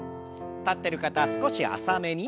立ってる方少し浅めに。